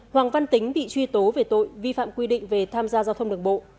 hoàng văn tính bị truy tố về tội vi phạm quy định về tham gia giao thông đường bộ